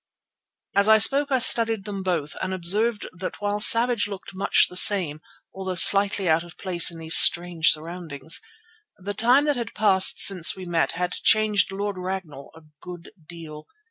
As I spoke I studied them both, and observed that while Savage looked much the same, although slightly out of place in these strange surroundings, the time that had passed since we met had changed Lord Ragnall a good deal.